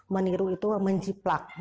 meniru itu menjiplak